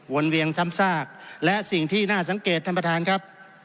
เวียงซ้ำซากและสิ่งที่น่าสังเกตท่านประธานครับ